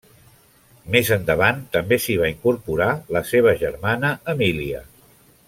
Més endavant també s'hi va incorporar la seva germana Emília.